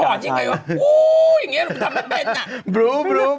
พ๋อจริงไหมว่าอู้วววอย่างนี้หรือทำไม่เป็นน่ะ